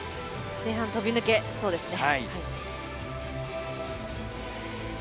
前半、飛び抜けそうですね。